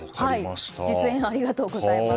実演、ありがとうございます。